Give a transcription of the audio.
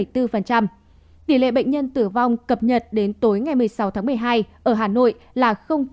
tỷ lệ bệnh nhân tử vong cập nhật đến tối ngày một mươi sáu tháng một mươi hai ở hà nội là